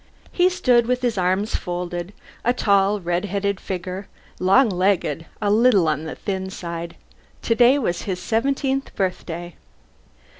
He stood with his arms folded, a tall red headed figure, long legged, a little on the thin side. Today was his seventeenth birthday.